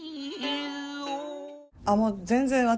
もう全然私。